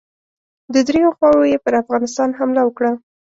د دریو خواوو یې پر افغانستان حمله وکړه.